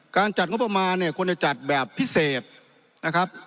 จัดงบประมาณเนี่ยควรจะจัดแบบพิเศษนะครับ